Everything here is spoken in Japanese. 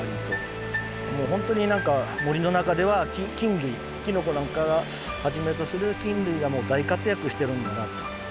もう本当に何か森の中では菌類きのこなんかをはじめとする菌類が大活躍してるんだなと。